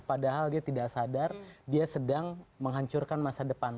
padahal dia tidak sadar dia sedang menghancurkan masa depan